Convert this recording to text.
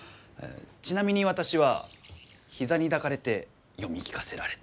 ちなみに私は膝に抱かれて読み聞かせられた。